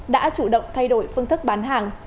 đã chủ động thay đổi phương thức bán hàng